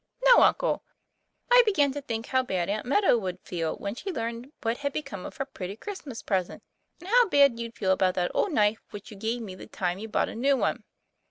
"No, uncle; I began to think how bad Aunt Meadow would feel when she learned what had be come of her pretty Christmas present, and how bad you'd feel about that old knife which you gave me the time you bought a new one."